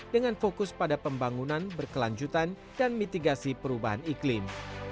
dengan fokus pada pembangunan berkelanjutan dan mitigasi perubahan iklim